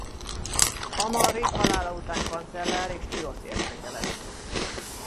Amalrik halála után kancellár és Türosz érseke lett.